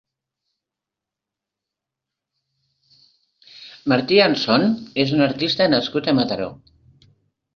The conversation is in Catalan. Martí Anson és un artista nascut a Mataró.